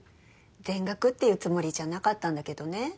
全額っていうつもりじゃなかったんだけどね。